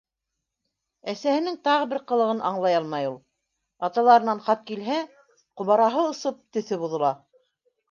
Әсәһенең тағы бер ҡылығын аңлай алмай ул: аталарынан хат килһә, ҡобараһы осоп, төҫө боҙола.